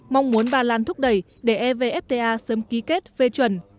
mong muốn ba lan thúc đẩy để evfta sớm ký kết phê chuẩn